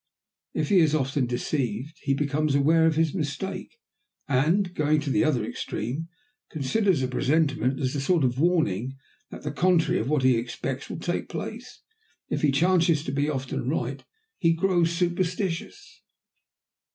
If he is often deceived, he becomes aware of his mistake, and, going to the other extreme, considers a presentiment as a sort of warning that the contrary of what he expects will take place; if he chances to be often right he grows superstitious.